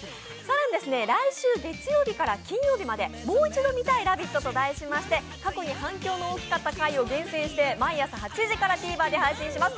更に、来週月曜日から金曜日まで「もう一度見たいラヴィット！」と題しまして、過去に反響の大きかった回を厳選して、毎日８時からＴＶｅｒで配信します。